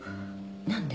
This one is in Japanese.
何で？